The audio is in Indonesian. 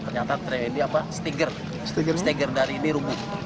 ternyata kren ini apa steger steger dari ini roboh